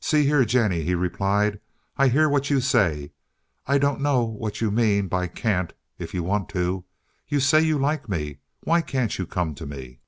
"See here, Jennie," he replied. "I hear what you say. I don't know what you mean by 'can't' if you want to. You say you like me. Why can't you come to me?